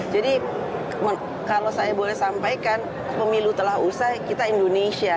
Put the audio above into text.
jadi kalau saya boleh sampaikan pemilu telah usai kita indonesia